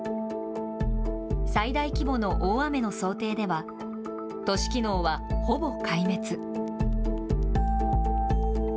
最大規模の大雨の想定では都市機能はほぼ壊滅。